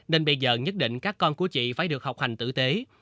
nên bây giờ nhất định các con của chị phải được học hành tử tế